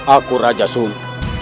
aku raja sung